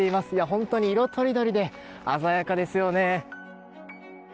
本当に色とりどりで鮮やかですね。